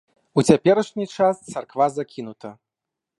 У цяперашні час царква закінута.